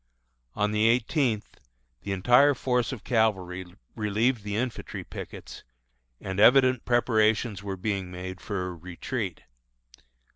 On the eighteenth, the entire force of cavalry relieved the infantry pickets, and evident preparations were being made for a retreat.